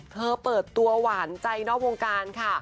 เปิดตัวหวานใจนอกวงการค่ะ